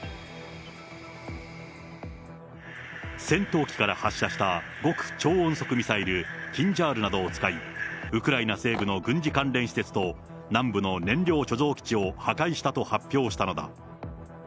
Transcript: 戦闘機から発射した極超音速ミサイル、キンジャールなどを使い、ウクライナ西部の軍事関連施設と、南部の燃料貯蔵基地を破壊したと発表したのだ。